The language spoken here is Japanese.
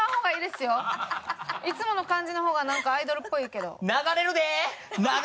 いつもの感じの方がなんかアイドルっぽいけど。